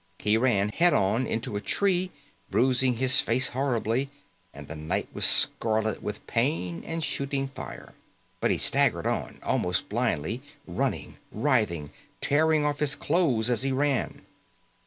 He ran head on into a tree, bruising his face horribly, and the night was scarlet with pain and shooting fire. But he staggered on, almost blindly, running, writhing, tearing off his clothes as he ran.